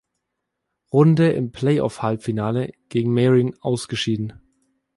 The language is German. Runde, im Play-Off-Halbfinal gegen Meyrin ausgeschieden.